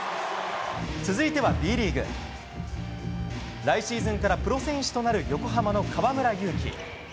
続いては、Ｂリーグ。来シーズンからプロ選手となる横浜の河村勇輝。